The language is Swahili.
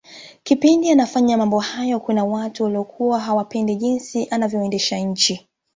kipindi anafanya mambo hayo Kuna watu waliokuwa hawapendi jinsi anavyoendesha nchi